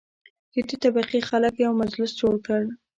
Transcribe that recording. ټیټې طبقې خلک یو مجلس جوړ کړ.